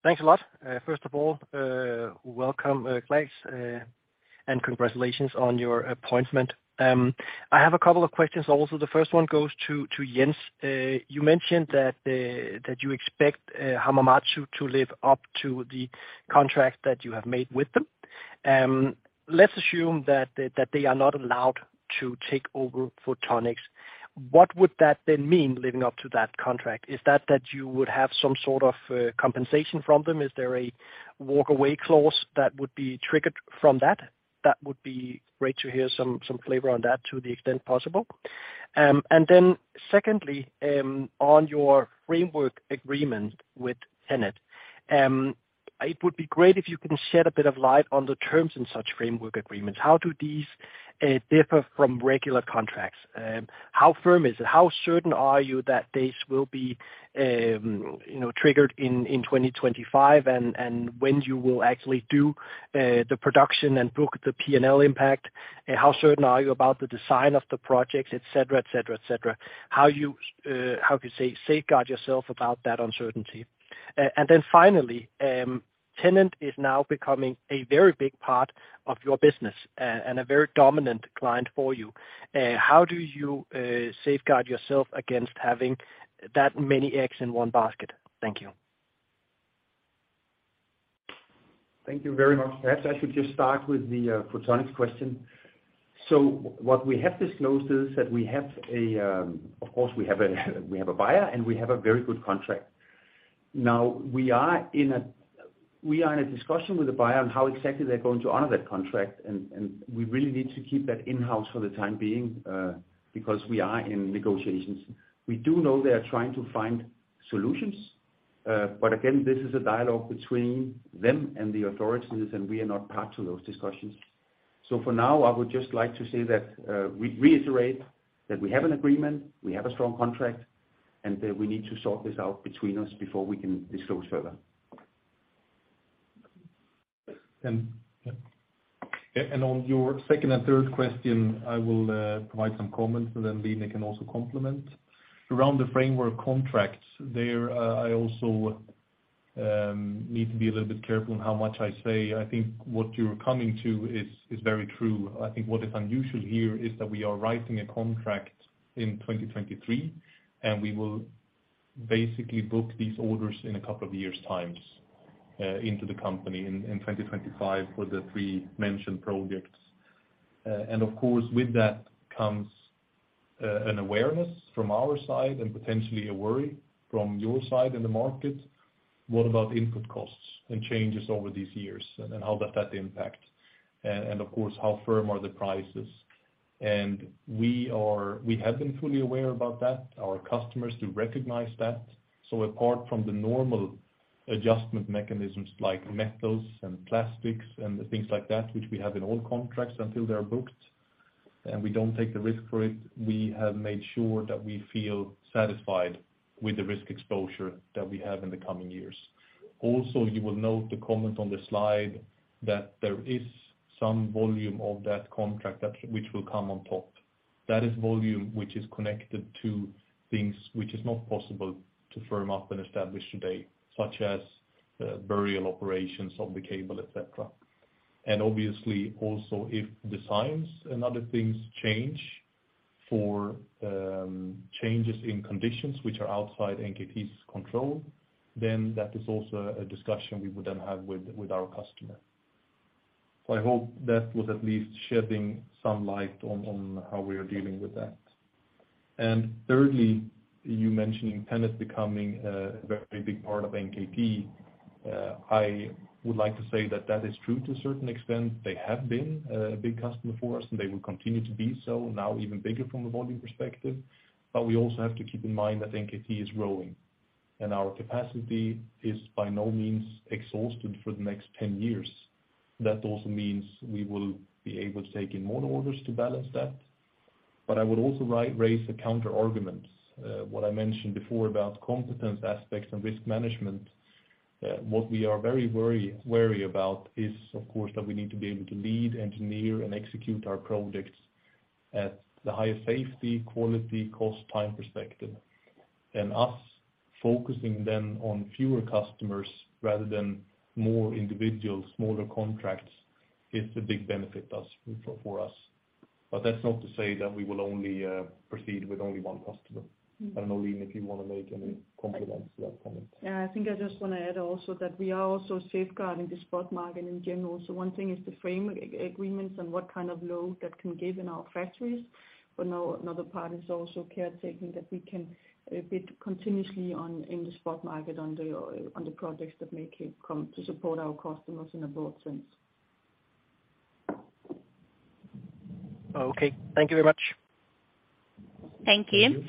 Speaker 8: Thanks a lot. First of all, welcome, Claes, and congratulations on your appointment. I have a couple of questions also. The first one goes to Jens. You mentioned that you expect Hamamatsu to live up to the contract that you have made with them. Let's assume that they are not allowed to take over Photonics. What would that then mean, living up to that contract? Is that you would have some sort of compensation from them? Is there a walk away clause that would be triggered from that? That would be great to hear some flavor on that to the extent possible. Secondly, on your framework agreement with TenneT, it would be great if you can shed a bit of light on the terms in such framework agreements. How do these differ from regular contracts? How firm is it? How certain are you that this will be, you know, triggered in 2025? When you will actually do the production and book the P&L impact? How certain are you about the design of the projects, et cetera, et cetera, et cetera? How can you safeguard yourself about that uncertainty? Finally, TenneT is now becoming a very big part of your business, and a very dominant client for you. How do you safeguard yourself against having that many eggs in one basket? Thank you.
Speaker 3: Thank you very much. Perhaps I should just start with the Photonics question. What we have disclosed is that we have, of course, a buyer, and we have a very good contract. We are in a discussion with the buyer on how exactly they're going to honor that contract, and we really need to keep that in-house for the time being because we are in negotiations. We do know they are trying to find solutions. Again, this is a dialogue between them and the authorities, and we are not part to those discussions. For now, I would just like to say that we reiterate that we have an agreement, we have a strong contract, and that we need to sort this out between us before we can disclose further.
Speaker 8: Um-
Speaker 4: Yeah, and on your second and third question, I will provide some comments, so then Line can also complement. Around the framework contracts, there I also need to be a little bit careful on how much I say. I think what you're coming to is very true. I think what is unusual here is that we are writing a contract in 2023, and we will basically book these orders in a couple of years' times, into the company in 2025 for the three mentioned projects. Of course, with that comes an awareness from our side and potentially a worry from your side in the market. What about input costs and changes over these years, and how does that impact? Of course, how firm are the prices? We have been fully aware about that. Our customers do recognize that. Apart from the normal adjustment mechanisms like metals and plastics and things like that, which we have in all contracts until they're booked, and we don't take the risk for it, we have made sure that we feel satisfied with the risk exposure that we have in the coming years. You will note the comment on the slide that there is some volume of that contract which will come on top. That is volume which is connected to things which is not possible to firm up and establish today, such as burial operations of the cable, et cetera. Obviously also, if designs and other things change for changes in conditions which are outside NKT's control, then that is also a discussion we would then have with our customer. So I hope that was at least shedding some light on how we are dealing with that. Thirdly, you mentioning TenneT becoming a very big part of NKT. I would like to say that that is true to a certain extent. They have been a big customer for us, and they will continue to be so, now even bigger from a volume perspective. We also have to keep in mind that NKT is growing, and our capacity is by no means exhausted for the next 10 years. That also means we will be able to take in more orders to balance that. I would also raise a counterargument. What I mentioned before about competence aspects and risk management, what we are very wary about is, of course, that we need to be able to lead, engineer, and execute our projects at the highest safety, quality, cost, time perspective. Us focusing then on fewer customers rather than more individual smaller contracts is a big benefit us for us. That's not to say that we will only proceed with only one customer. I don't know, Line, if you wanna make any comments to that comment.
Speaker 2: Yeah. I think I just wanna add also that we are also safeguarding the spot market in general. One thing is the frame agreements and what kind of load that can give in our factories. Now another part is also caretaking that we can bid continuously in the spot market on the projects that may come to support our customers in a broad sense.
Speaker 8: Okay. Thank you very much.
Speaker 1: Thank you.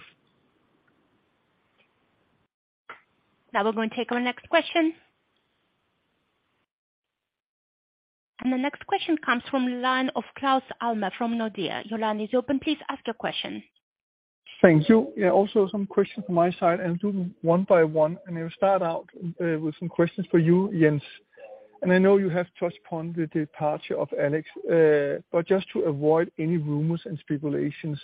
Speaker 1: Now we're going to take our next question. The next question comes from line of Claus Almer from Nordea. Your line is open, please ask your question.
Speaker 9: Thank you. Yeah, also some questions from my side, and do one by one. I'll start out with some questions for you, Jens. I know you have touched upon the departure of Alex. Just to avoid any rumors and speculations,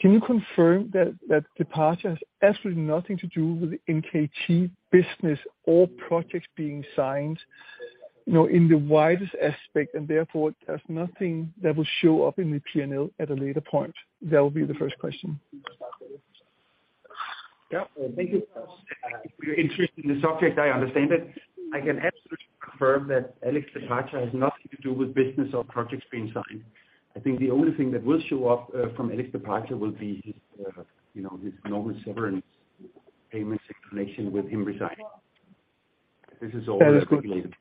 Speaker 9: can you confirm that departure has absolutely nothing to do with NKT business or projects being signed, you know, in the widest aspect, and therefore there's nothing that will show up in the P&L at a later point? That will be the first question.
Speaker 3: Yeah. Thank you. If you're interested in the subject, I understand it. I can absolutely confirm that Alex' departure has nothing to do with business or projects being signed. I think the only thing that will show up from Alex' departure will be his, you know, his normal severance payments in connection with him resigning. This is all that will be made.
Speaker 9: That is good.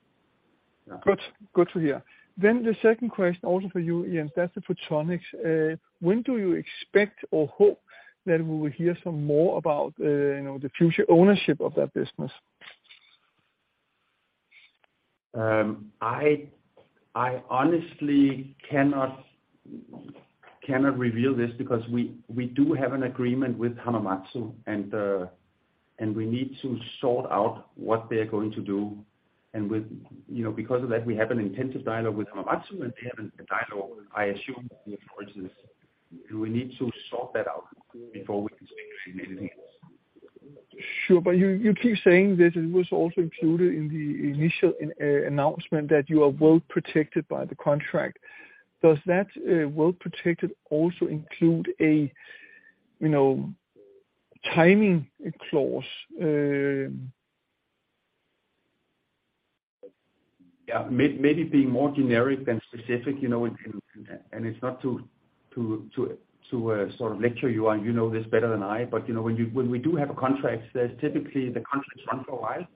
Speaker 9: Good, good to hear. The second question also for you, Jens, that's the Photonics. When do you expect or hope that we will hear some more about, you know, the future ownership of that business?
Speaker 3: I honestly cannot reveal this because we do have an agreement with Hamamatsu and we need to sort out what they're going to do. With, you know, because of that, we have an intensive dialogue with Hamamatsu, and they have a dialogue, I assume, with authorities. We need to sort that out before we can say anything else.
Speaker 9: Sure. You keep saying this, it was also included in the initial announcement that you are well protected by the contract. Does that well protected also include a, you know, timing clause?
Speaker 3: Yeah. Maybe being more generic than specific, you know, and it's not to sort of lecture you on, you know this better than I, but, you know, when we do have a contract, there's typically the contracts run for a while.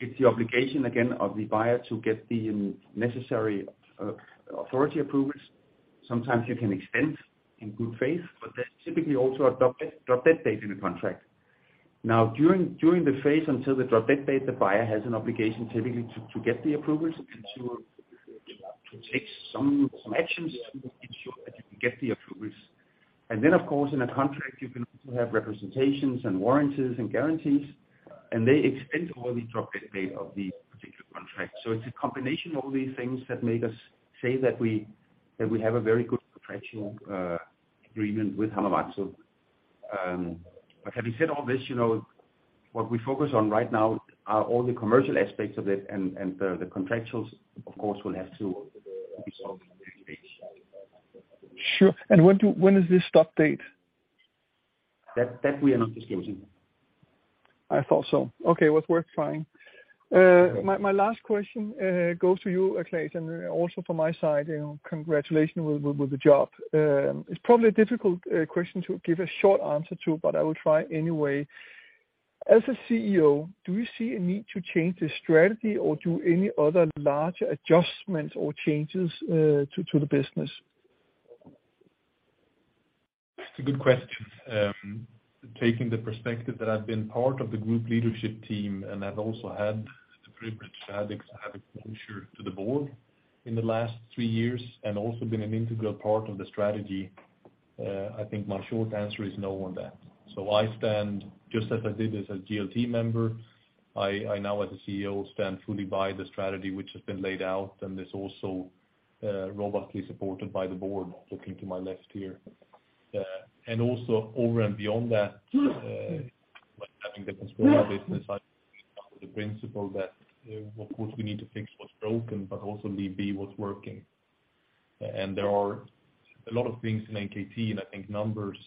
Speaker 3: It's the obligation, again, of the buyer to get the necessary authority approvals. Sometimes you can extend in good faith, but there's typically also a drop dead date in the contract. Now, during the phase until the drop dead date, the buyer has an obligation typically to get the approvals and to take some actions to potentially get the approvals. Then of course, in a contract you can have representations and warranties and guarantees, and they extend all the drop dead date of the particular contract. It's a combination of all these things that made us say that we have a very good contractual agreement with Hamamatsu. Having said all this, you know, what we focus on right now are all the commercial aspects of it and the contractuals of course will have to be solved.
Speaker 9: Sure. When is this stop date?
Speaker 3: That we are not disclosing.
Speaker 9: I thought so. Okay. It was worth trying. My last question goes to you, Claes, and also from my side, you know, congratulations with the job. It's probably a difficult question to give a short answer to, but I will try anyway. As a CEO, do you see a need to change the strategy or do any other large adjustments or changes to the business?
Speaker 4: It's a good question. Taking the perspective that I've been part of the group leadership team, and I've also had the privilege to have a position to the board in the last three years and also been an integral part of the strategy, I think my short answer is no on that. I stand just as I did as a GLT member. I now as a CEO stand fully by the strategy which has been laid out and is also robustly supported by the board looking to my left here. Also over and beyond that, like having the business, I follow the principle that of course we need to fix what's broken, but also leave be what's working. There are a lot of things in NKT and I think numbers,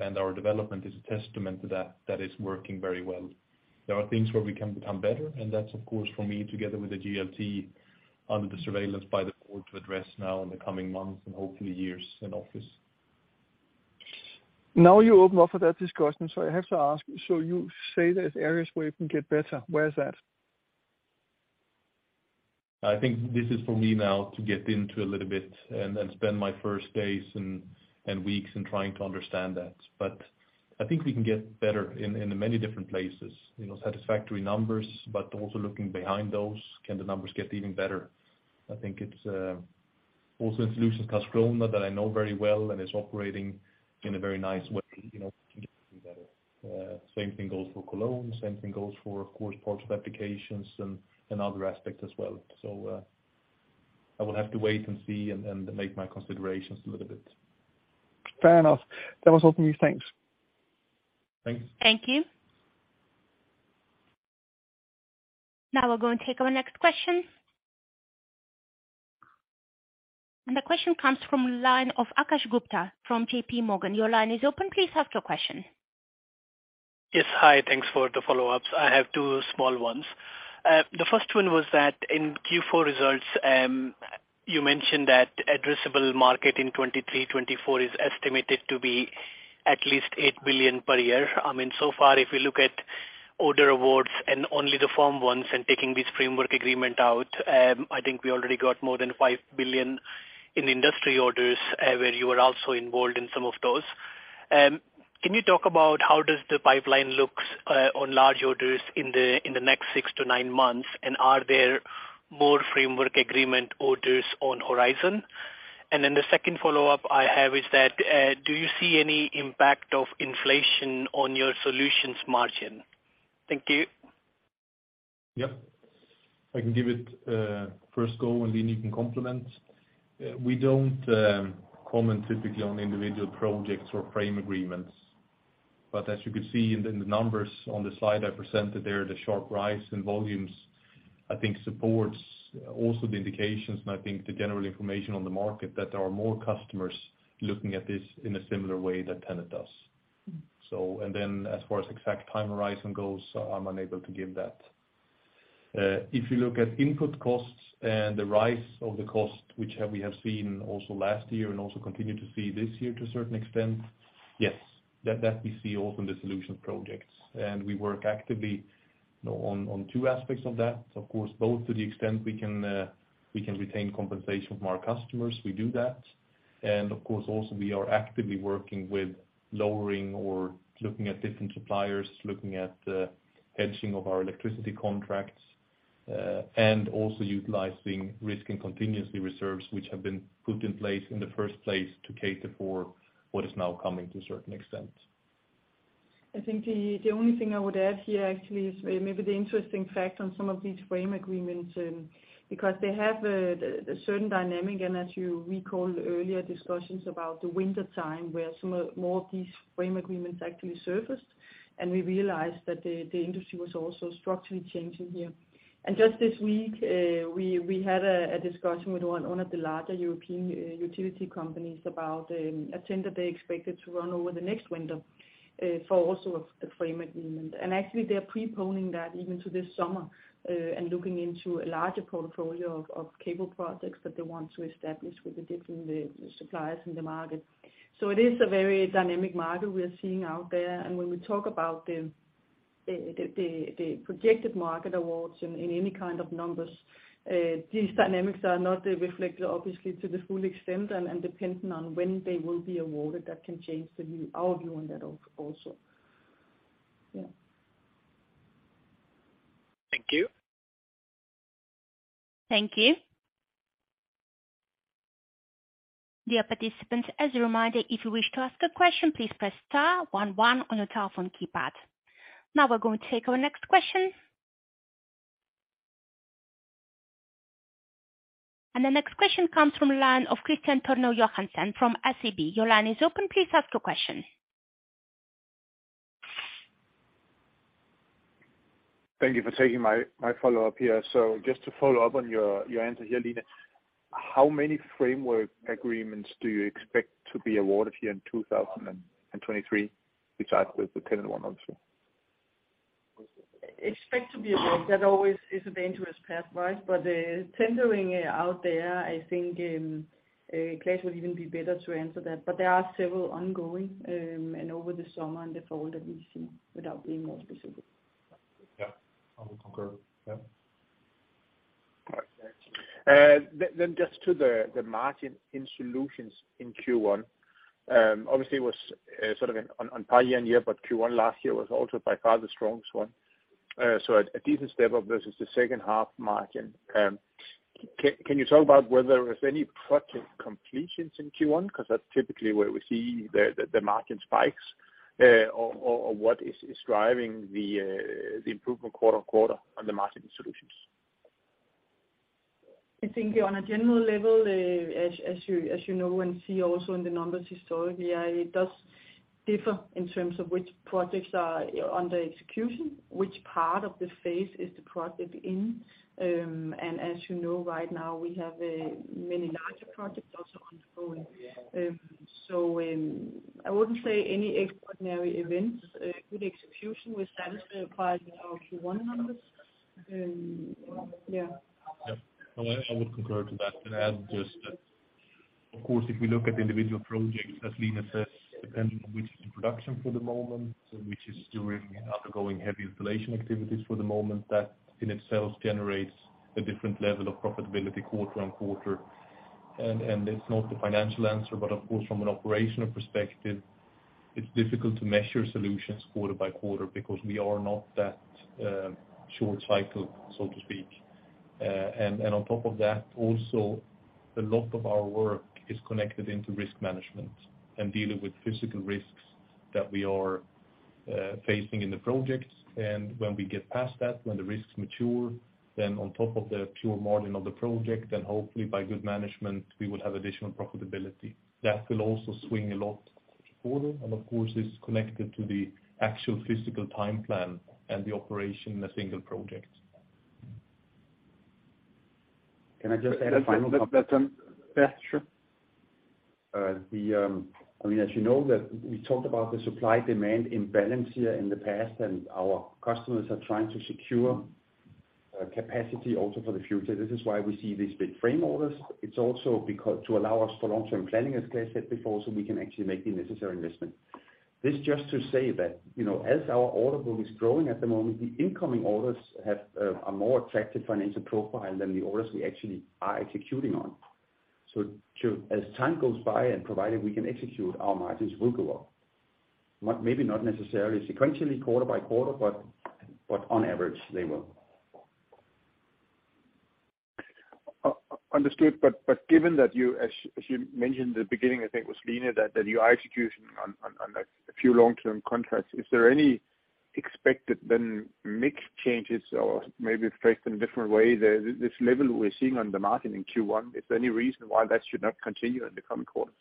Speaker 4: and our development is a testament to that is working very well. There are things where we can become better, and that's of course for me together with the GLT under the surveillance by the board to address now in the coming months and hopefully years in office.
Speaker 9: Now you open up for that discussion, so I have to ask, so you say there's areas where you can get better. Where is that?
Speaker 4: I think this is for me now to get into a little bit and spend my first days and weeks in trying to understand that. I think we can get better in the many different places, you know, satisfactory numbers, but also looking behind those, can the numbers get even better? I think it's also in Solutions customer that I know very well and is operating in a very nice way, you know, can get even better. Same thing goes for Cologne. Same thing goes for, of course, parts of Applications and other aspects as well. I will have to wait and see and make my considerations a little bit.
Speaker 9: Fair enough. That was all for me. Thanks.
Speaker 4: Thanks.
Speaker 1: Thank you. Now we're going to take our next question. The question comes from line of Akash Gupta from J.P. Morgan. Your line is open. Please ask your question.
Speaker 6: Yes. Hi. Thanks for the follow-ups. I have two small ones. The first one was that in Q4 results, you mentioned that addressable market in 2023, 2024 is estimated to be at least 8 billion per year. I mean, so far if you look at order awards and only the form ones and taking this framework agreement out, I think we already got more than 5 billion in industry orders, where you are also involved in some of those. Can you talk about how does the pipeline looks on large orders in the next six to nine months? Are there more framework agreement orders on horizon? The second follow-up I have is that, do you see any impact of inflation on your Solutions margin? Thank you.
Speaker 4: Yeah. I can give it a first go and Line you can complement. We don't comment typically on individual projects or frame agreements. As you could see in the numbers on the slide I presented there, the sharp rise in volumes, I think supports also the indications and I think the general information on the market that there are more customers looking at this in a similar way that TenneT does. Then as far as exact time horizon goes, I'm unable to give that. If you look at input costs and the rise of the cost which we have seen also last year and also continue to see this year to a certain extent, yes. That we see also in the Solution projects. We work actively, you know, on two aspects of that. Of course, both to the extent we can, we can retain compensation from our customers, we do that. Of course, also we are actively working with lowering or looking at different suppliers, looking at, hedging of our electricity contracts, and also utilizing risk and contingency reserves which have been put in place in the first place to cater for what is now coming to a certain extent.
Speaker 2: I think the only thing I would add here actually is maybe the interesting fact on some of these frame agreements, because they have a certain dynamic, and as you recall earlier discussions about the wintertime where some of more of these frame agreements actually surfaced. We realized that the industry was also structurally changing here. Just this week, we had a discussion with one of the larger European utility companies about a tender they expected to run over the next window for also a frame agreement. Actually, they're preponing that even to this summer, and looking into a larger portfolio of cable projects that they want to establish with the different suppliers in the market. It is a very dynamic market we are seeing out there. When we talk about the projected market awards in any kind of numbers, these dynamics are not reflected obviously to the full extent. Depending on when they will be awarded, that can change the view, our view on that also. Yeah.
Speaker 6: Thank you.
Speaker 1: Thank you. Dear participants, as a reminder, if you wish to ask a question, please press star one one on your telephone keypad. Now we're going to take our next question. The next question comes from line of Kristian Tornøe Johansen from SEB. Your line is open. Please ask your question.
Speaker 7: Thank you for taking my follow-up here. Just to follow up on your answer here, Line, how many framework agreements do you expect to be awarded here in 2023, besides with the TenneT one also?
Speaker 2: Expect to be award. That always is a dangerous path, right? Tendering out there, I think Claes will even be better to answer that. There are several ongoing, and over the summer and the fall that we've seen, without being more specific.
Speaker 4: Yeah. I would concur. Yeah.
Speaker 7: Just to the margin in Solutions in Q1, obviously it was sort of on prior year and year, Q1 last year was also by far the strongest one. A decent step up versus the second half margin. Can you talk about whether there was any project completions in Q1? 'Cause that's typically where we see the margin spikes, or what is driving the improvement quarter-on-quarter on the margin Solutions.
Speaker 2: I think on a general level, as you know and see also in the numbers historically, it does differ in terms of which projects are under execution, which part of the phase is the project in. As you know, right now we have many larger projects also on the phone. I wouldn't say any extraordinary events. Good execution was satisfied with our Q1 numbers. Yeah.
Speaker 4: Well, I would concur to that and add just that, of course, if we look at individual projects, as Line says, depending on which is in production for the moment and which is during and undergoing heavy installation activities for the moment, that in itself generates a different level of profitability quarter on quarter. It's not the financial answer, but of course from an operational perspective it's difficult to measure Solutions quarter by quarter because we are not that, short cycle, so to speak. On top of that, also a lot of our work is connected into risk management and dealing with physical risks that we are, facing in the projects. When we get past that, when the risks mature, then on top of the pure margin of the project, then hopefully by good management, we will have additional profitability. That will also swing a lot quarter. Of course, it's connected to the actual physical time plan and the operation in a single project.
Speaker 3: Can I just add a final comment?
Speaker 7: That, yeah, sure.
Speaker 3: I mean, as you know that we talked about the supply demand imbalance here in the past, and our customers are trying to secure capacity also for the future. This is why we see these big frame orders. It's also to allow us for long-term planning, as Claes said before, so we can actually make the necessary investment. This just to say that, you know, as our order book is growing at the moment, the incoming orders have a more attractive financial profile than the orders we actually are executing on. As time goes by, and provided we can execute, our margins will go up. Not, maybe not necessarily sequentially quarter by quarter, but on average they will.
Speaker 7: Understood. Given that you, as you mentioned at the beginning, I think it was Line, that you are executing on a few long-term contracts, is there any expected then mix changes or maybe phrased in a different way, this level we're seeing on the market in Q1, is there any reason why that should not continue in the coming quarters?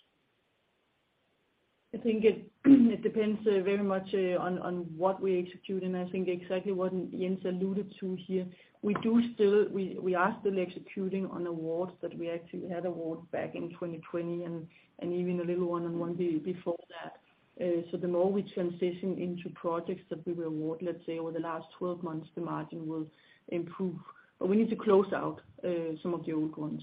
Speaker 2: I think it depends very much on what we execute, and I think exactly what Jens alluded to here. We are still executing on awards that we actually had award back in 2020 and even a little one before that. The more we transition into projects that we will award, let's say, over the last 12 months, the margin will improve. We need to close out some of the old ones.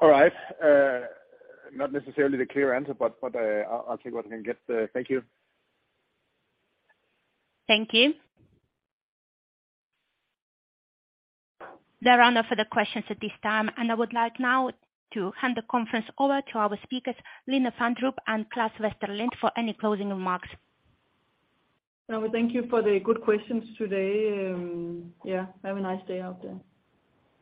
Speaker 7: All right. Not necessarily the clear answer, but, I'll take what I can get. Thank you.
Speaker 1: Thank you. There are no further questions at this time, and I would like now to hand the conference over to our speakers, Line Fandrup and Claes Westerlind, for any closing remarks.
Speaker 2: I will thank you for the good questions today. Yeah, have a nice day out there.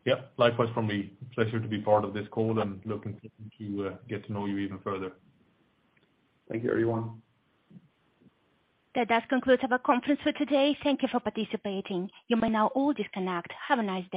Speaker 4: Yeah. Likewise from me. Pleasure to be part of this call, and looking to get to know you even further.
Speaker 3: Thank you, everyone.
Speaker 1: That does conclude our conference for today. Thank you for participating. You may now all disconnect. Have a nice day.